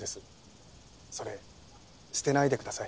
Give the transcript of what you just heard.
それ捨てないでください。